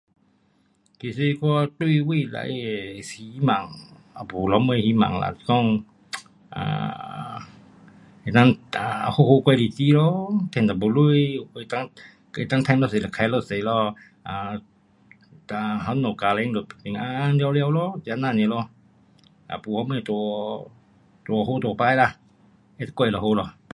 其实我对未来的希望也没什么希望啦，是讲 um um 能够 um 好好过日子咯，赚一点钱，能够，能够赚多少就花多少咯。哒那家家庭平平安安全部咯。就是这样 nia 咯。也没什么多，多好多坏啦，会过就好啦。